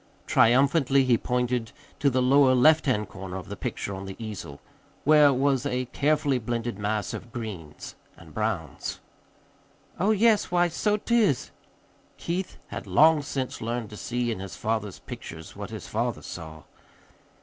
Triumphantly he pointed to the lower left hand corner of the picture on the easel, where was a carefully blended mass of greens and browns. "Oh, yes, why, so't is." (Keith had long since learned to see in his father's pictures what his father saw.)